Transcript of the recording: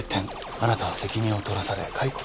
あなたは責任を取らされ解雇された。